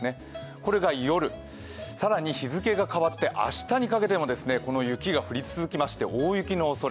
これが夜、更に日付が変わって明日にかけてもこの雪が降り続きまして大雪のおそれ。